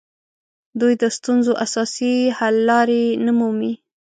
دوی د ستونزو اساسي حل لارې نه مومي